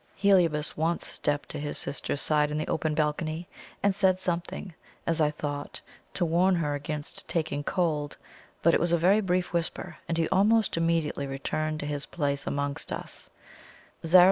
Heliobas once stepped to his sister's side in the open balcony, and said something, as I thought, to warn her against taking cold; but it was a very brief whisper, and he almost immediately returned to his place amongst us.